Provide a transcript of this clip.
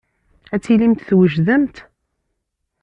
Ad tilimt twejdemt?